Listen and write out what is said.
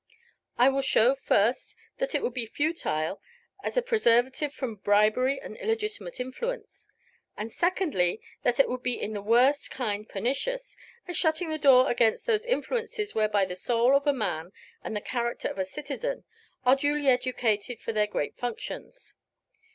I will show, first, that it would be futile as a preservative from bribery and illegitimate influence; and, secondly, that it would be in the worst kind pernicious, as shutting the door against those influences whereby the soul of a man and the character of a citizen are duly educated for their great functions.